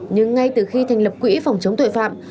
nhưng ngay từ khi thành lập quỹ phòng chống tội phạm